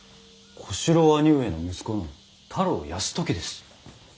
小四郎兄上の息子の太郎泰時です。